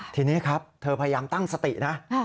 ทีนี้ครับเธอพยายามตั้งสตินะ